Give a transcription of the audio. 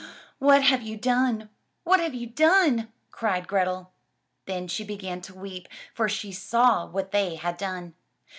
"What have you done? What have you done? cried Grethel. Then she began to weep for she saw what they had done.